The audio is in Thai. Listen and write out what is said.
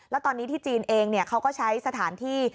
แล้วตอนนี้ที่จีนเองเขาก็ใช้สถานที่